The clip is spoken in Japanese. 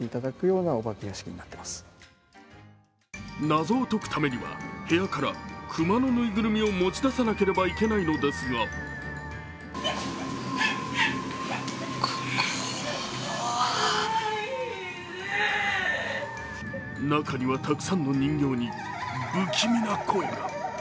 謎を解くためには、部屋から熊のぬいぐるみを持ち出さなければいけないのですが中には、たくさんの人形に不気味な声が。